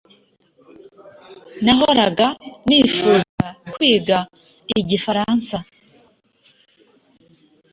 Nahoraga nifuza kwiga igifaransa.